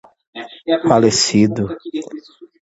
falecido